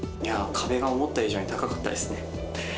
壁が思った以上に高かったですね。